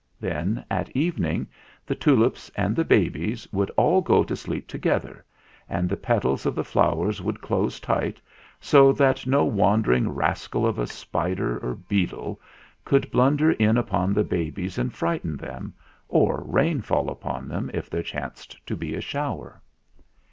Then, at evening, the tulips and the babies would all go to sleep together, and the petals of the flowers would close tight, so that no wandering rascal of a spider or beetle could blunder in upon the babies and frighten them, or rain fall upon them if there chanced to be a shower.